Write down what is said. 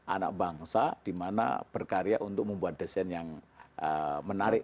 anak bangsa di mana berkarya untuk membuat desain yang menarik